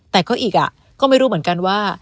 แต่ก็อีกก็ไม่รู้เหมือนกันว่า